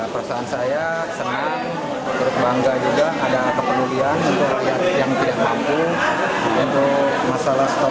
perasaan saya senang bangga juga ada keperluan untuk rakyat yang tidak mampu untuk masalah setup box ini